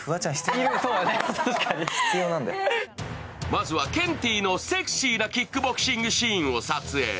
まずはケンティーのセクシーなキックボクシングシーンを撮影。